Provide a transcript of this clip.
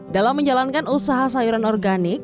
dalam menjalankan usaha sayuran organik